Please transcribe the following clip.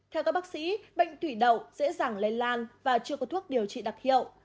theo các bác sĩ bệnh thủy đậu dễ dàng lây lan và chưa có thuốc điều trị đặc hiệu